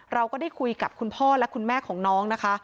เราก็ได้คุยกับคุณพ่อและคุณแม่ของน้องนะคะ